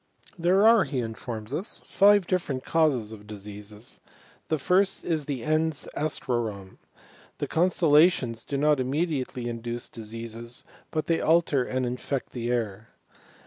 There are, he informs us, five different causes of diseases. The first is the ens astrorum. The constel^ lations do not immediately induce diseases, but they aher and infect the air.